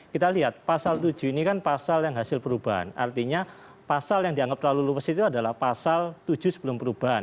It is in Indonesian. kita lihat pasal tujuh ini kan pasal yang hasil perubahan artinya pasal yang dianggap terlalu luas itu adalah pasal tujuh sebelum perubahan